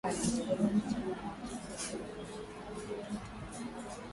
Alinyoosha mkono ishara ya kuomba kalamu aandike kitu